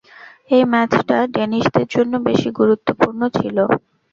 এই ম্যাচটা ডেনিশদের জন্য বেশি গুরুত্বপূর্ণ ছিল।